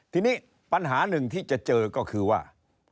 ทีนี้ปัญหาหนึ่งที่จะเจอก็คือว่า